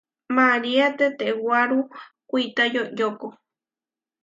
Maria tetewáru kuitá yoyóko.